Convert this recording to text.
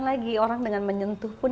lagi orang dengan menyentuh pun